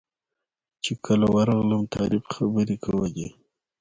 چې کله ورغلم طارق خبرې کولې.